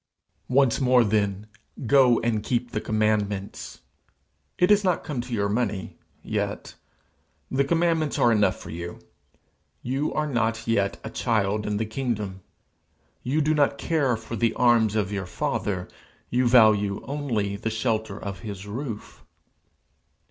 'Once more, then, go and keep the commandments. It is not come to your money yet. The commandments are enough for you. You are not yet a child in the kingdom. You do not care for the arms of your father; you value only the shelter of his roof.